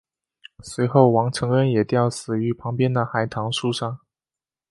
随后王承恩也吊死于旁边的海棠树上。